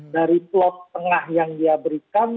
dari plot tengah yang dia berikan